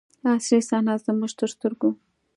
اصلي صحنه زموږ تر سترګو.